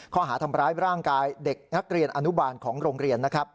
ข้อหาทำร้ายร่างกายเด็กนักเรียนอนุบาลของโรงเรียนนะครับ